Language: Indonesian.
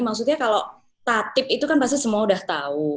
maksudnya kalau tatip itu kan pasti semua udah tahu